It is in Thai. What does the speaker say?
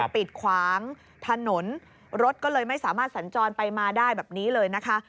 ปิดขวางถนนรถก็เลยไม่สามารถสัญจรไปมาได้แบบนี้เลยนะคะ